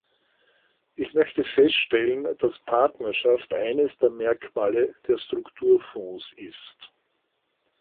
Ich möchte feststellen, dass Partnerschaft eines der Merkmale der Strukturfonds ist.